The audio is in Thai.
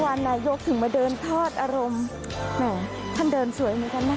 นายกถึงมาเดินทอดอารมณ์แหมท่านเดินสวยเหมือนกันนะคะ